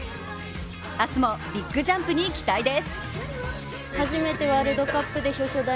明日もビッグジャンプに期待です。